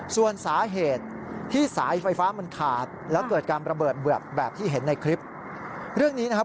ส่วนสาเหตุ